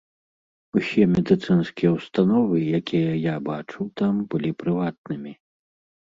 Усе медыцынскія ўстановы, якія я бачыў там, былі прыватнымі.